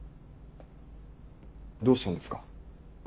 どうしたんですか？